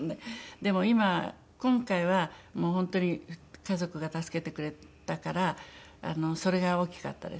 でも今今回はもう本当に家族が助けてくれたからそれが大きかったですね。